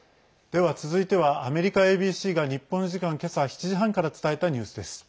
では続いてはアメリカＡＢＣが日本時間、今朝７時半から伝えたニュースです。